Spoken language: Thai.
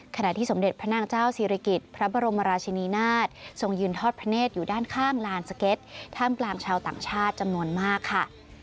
ขณะที่สมเด็จพระนางเจ้าศิริกิจพระบรมราชินีนาฏทรงยืนทอดพระเนธอยู่ด้านข้างลานสเก็ตท่ามกลางชาวต่างชาติจำนวนมากค่ะ